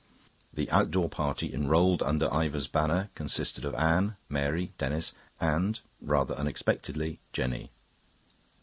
The outdoor party, enrolled under Ivor's banner, consisted of Anne, Mary, Denis, and, rather unexpectedly, Jenny.